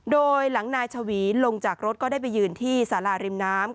โดยหลังนายชวีลงจากรถก็ได้ไปยืนที่สาราริมน้ำ